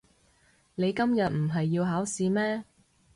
你今日唔係要考試咩？